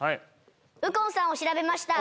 右近さんを調べました。